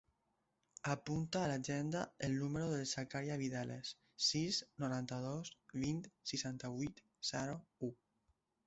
Apunta a l'agenda el número del Zakaria Vidales: sis, noranta-dos, vint, seixanta-vuit, zero, u.